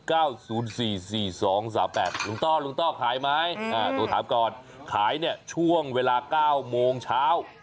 ลุงต้อลุงต้อขายไหมโทรถามก่อนขายเนี่ยช่วงเวลา๙โมงเช้า